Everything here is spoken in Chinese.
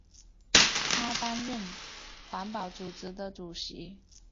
他担任环保组织的主席。